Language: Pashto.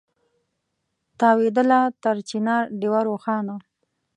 تاوېدله تر چنار ډېوه روښانه